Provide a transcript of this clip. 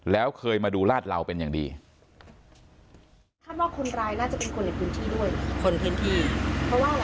แล้วเคยมาดูราดเหล่าเป็นอย่างดีคาดว่าคนร้ายน่าจะเป็นคนในพื้นที่ด้วย